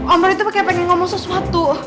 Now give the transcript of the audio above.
om roy itu kayak pengen ngomong sesuatu